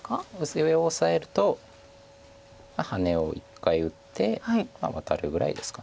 上オサえるとハネを一回打ってワタるぐらいですか。